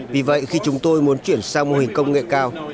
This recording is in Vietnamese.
vì vậy khi chúng tôi muốn chuyển sang một nơi tốt